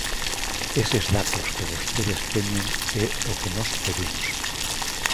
Eses datos que vostedes teñen é o que nós pedimos.